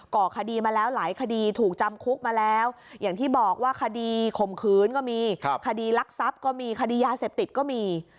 ก่อคดีมาแล้วหลายคดีถูกจำคุกมาแล้วอย่างที่บอกว่าคดีข่มขืนก็มีคดีรักทรัพย์ก็มีคดียาเสพติดก็มี